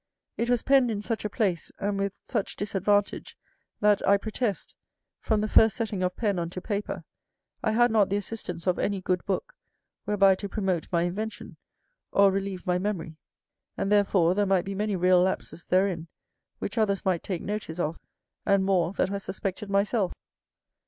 It was penned in such a place, and with such disadvantage, that (I protest), from the first setting of pen unto paper, I had not the assistance of any good book, whereby to promote my invention, or relieve my memory; and therefore there might be many real lapses therein, which others might take notice of, and more that I suspected myself.